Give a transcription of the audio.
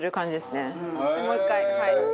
もう１回はい。